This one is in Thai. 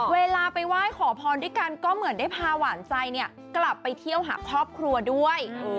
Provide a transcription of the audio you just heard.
เวลาไปไหว้ขอพรด้วยกันก็เหมือนได้พาหวานใจเนี่ยกลับไปเที่ยวหาครอบครัวด้วย